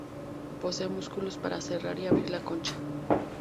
Posee músculos para cerrar y abrir la concha.